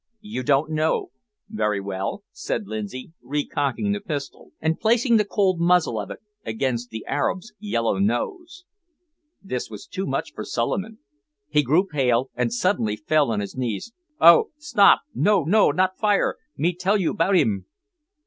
"You don't know? very well," said Lindsay, recocking the pistol, and placing the cold muzzle of it against the Arab's yellow nose. This was too much for Suliman. He grew pale, and suddenly fell on his knees. "Oh! stop! no no! not fire! me tell you 'bout 'im."